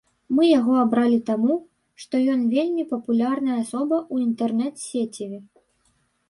Мы яго абралі таму, што ён вельмі папулярная асоба ў інтэрнэт-сеціве.